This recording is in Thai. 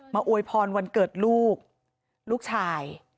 อวยพรวันเกิดลูกลูกชาย